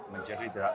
menjadi tidak tercapai